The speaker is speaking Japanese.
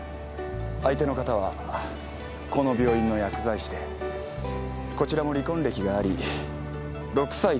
相手の方はこの病院の薬剤師でこちらも離婚歴があり６歳と８歳の男の子がいる。